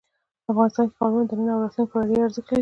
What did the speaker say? افغانستان کې ښارونه د نن او راتلونکي لپاره ارزښت لري.